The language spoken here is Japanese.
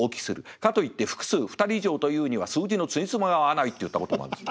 かと言って複数２人以上と言うには数字のつじつまが合わない」って言ったこともあるんですよ。